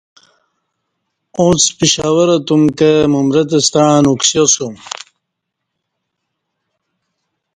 اوݩڅ پشاوراہ تم کہ ممرت ستݩع نکسیاسوم